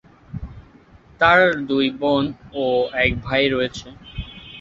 তার দুই বোন ও এক ভাই রয়েছে।